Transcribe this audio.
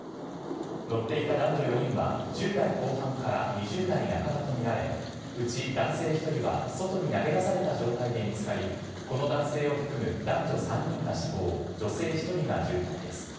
乗っていた男女４人は、１０代後半から２０代半ばと見られ、うち男性１人は外に投げ出された状態で見つかり、この男性を含む男女３人が死亡、女性１人が重体です。